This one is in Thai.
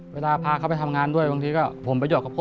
เวลาพาเขาไปทำงานด้วยบางทีก็ผลประโยชน์กับพ่อ